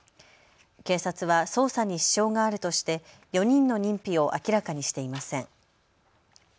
警察は捜査に支障があるとして４人の認否を明らかにしていません。